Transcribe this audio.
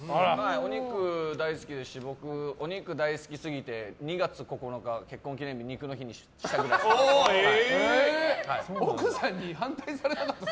お肉大好きですし大好きすぎて２月９日、結婚記念日を肉の日にしたくらいです。